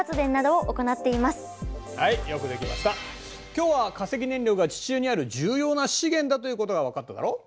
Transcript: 今日は化石燃料が地中にある重要な資源だということが分かっただろう？